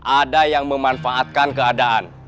ada yang memanfaatkan keadaan